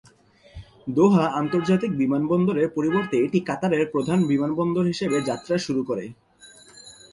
দোহা আন্তর্জাতিক বিমানবন্দরের পরিবর্তে এটি কাতারের প্রধান বিমানবন্দর হিসাবে যাত্রা শুরু করে।